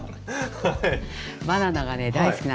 はい。